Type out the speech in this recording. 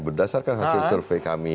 berdasarkan hasil survei kami